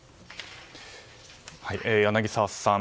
柳澤さん